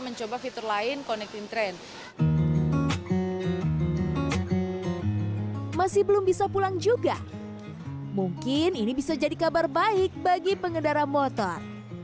mungkin ini bisa jadi kabar baik bagi pengendara motor